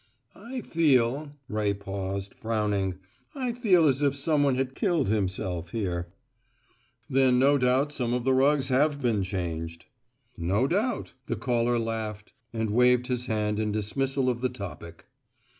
"I feel " Ray paused, frowning. "I feel as if some one had killed himself here." "Then no doubt some of the rugs have been changed." "No doubt." The caller laughed and waved his hand in dismissal of the topic.